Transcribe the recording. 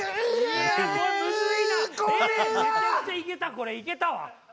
これいけたわ。